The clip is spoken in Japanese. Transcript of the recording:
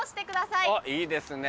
いいですね。